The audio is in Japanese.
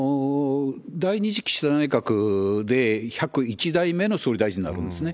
第２次岸田内閣で１０１代目の総理大臣になるんですね。